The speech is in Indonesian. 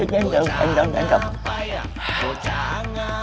gendong gendong gendong